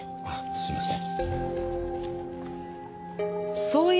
すみません。